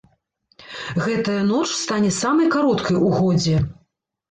Гэтая ноч стане самай кароткай у годзе.